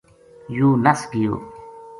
یوہ نَس گیو